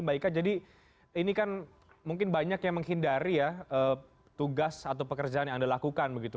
mbak ika jadi ini kan mungkin banyak yang menghindari ya tugas atau pekerjaan yang anda lakukan begitu